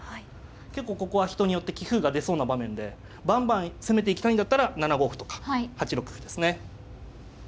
結構ここは人によって棋風が出そうな場面でバンバン攻めていきたいんだったら７五歩とか８六歩ですね。